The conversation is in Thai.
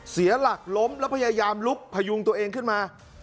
เสียหลักล้มแล้วพยายามลุกพยุงตัวเองขึ้นมา